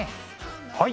はい！